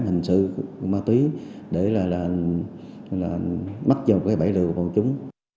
hành sự ma túy để là bắt vào cái bẫy lừa của bọn chúng